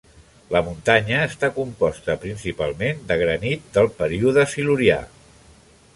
La muntanya està composta principalment de granit del període Silurià.